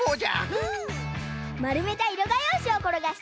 うん。